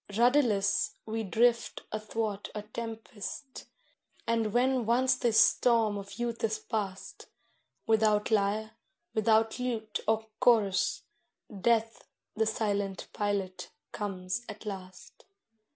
Rudderless, we drift athwart a tempest, and when once the storm of youth is past, Without lyre, without lute or chorus, Death the silent pilot comes at last.